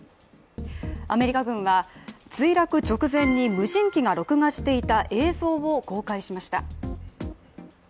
アメリカ軍は墜落直前に無人機が録画していた映像を公開しました。